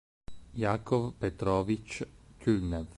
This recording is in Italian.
Jakov Petrovič Kul'nev